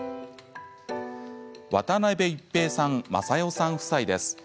渡邉一平さん、雅代さん夫妻です。